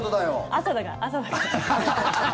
朝だから、朝だから。